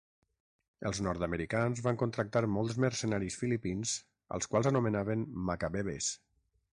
Els nord-americans van contractar molts mercenaris filipins als quals anomenaven "Macabebes".